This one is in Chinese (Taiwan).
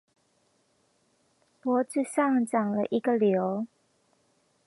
脖子上長了一個瘤